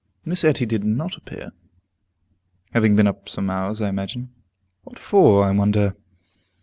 Miss Etty did not appear, having been up some hours, I imagine. What for, I wonder?